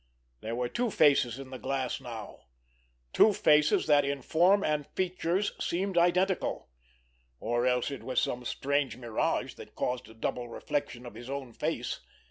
There were two faces in the glass now, two faces that in form and features seemed identical—or else it was some strange mirage that caused a double reflection of his own face.